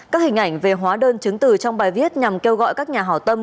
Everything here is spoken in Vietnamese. các hình ảnh về hóa đơn chứng từ trong bài viết nhằm kêu gọi các nhà hảo tâm